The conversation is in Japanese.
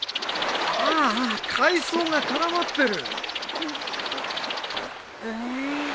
ああ海藻が絡まってる。